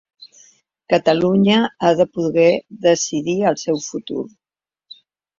Catalunya ha de poder decidir el seu futur.